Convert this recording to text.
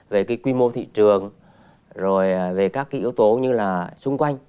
về cái quy mô thị trường rồi về các cái yếu tố như là xung quanh